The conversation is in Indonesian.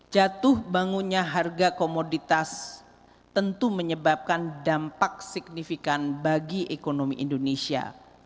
jatuh bangunnya harga komoditas tentu menyebabkan dampak signifikan bagi ekonomi indonesia